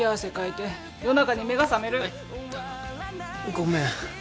ごめん。